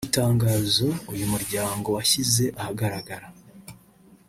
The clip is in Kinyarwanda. Mu itangazo uyu muryango washyize ahagaragara